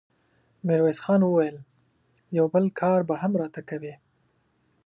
ميرويس خان وويل: يو بل کار به هم راته کوې!